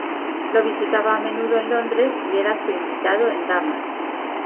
Lo visitaba a menudo en Londres y era su invitado en Damas.